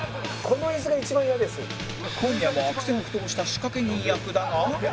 小宮も悪戦苦闘した仕掛け人役だが